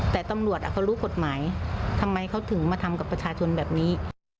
แต่ตำรวจเขารู้กฎหมายทำไมเขาถึงมาทำกับประชาชนแบบนี้